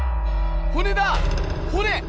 骨だ骨！